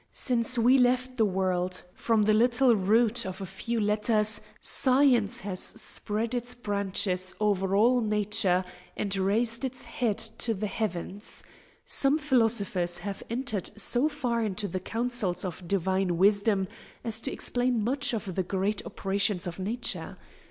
Since we left the world, from the little root of a few letters, science has spread its branches over all nature, and raised its head to the heavens. Some philosophers have entered so far into the counsels of divine wisdom as to explain much of the great operations of nature.